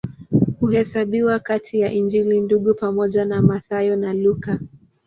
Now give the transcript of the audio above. Huhesabiwa kati ya Injili Ndugu pamoja na Mathayo na Luka.